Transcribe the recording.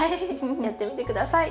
やってみて下さい。